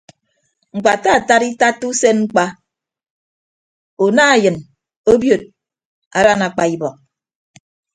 Ñkpataatat itatta usen ñkpa una eyịn obiot adan akpa ibọk.